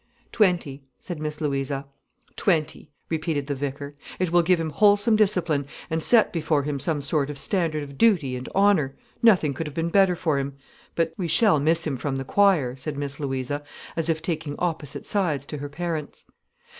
"Twenty," said Miss Louisa. "Twenty!" repeated the vicar. "It will give him wholesome discipline and set before him some sort of standard of duty and honour—nothing could have been better for him. But——" "We shall miss him from the choir," said Miss Louisa, as if taking opposite sides to her parents.